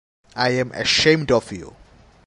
I am ashamed of you.